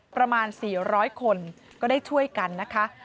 ประมาณ๔๐๐คนก็ได้ช่วยกันนะคะ